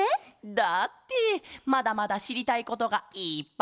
だってまだまだしりたいことがいっぱいなんだケロ！